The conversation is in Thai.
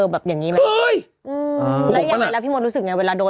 แล้วอย่างไรแล้วพี่มดรู้สึกไงเวลาโดน